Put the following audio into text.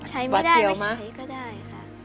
ใช้ไม่ได้ใช้ก็ได้ค่ะ